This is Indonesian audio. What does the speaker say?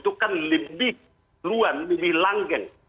itu kan lebih duluan lebih langgeng